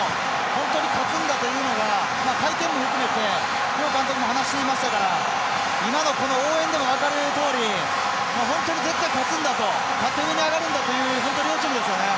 本当に勝つんだというのが会見も含めて両監督も話していましたから今の応援でも分かるとおり本当に絶対、勝つんだぞと勝って、上に上がるんだという本当に両チームですよね。